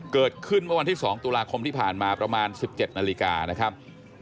เกิดขึ้นวันที่สองตุลาคมที่ผ่านมาประมาณสิบเจ็ดนาฬิกานะครับ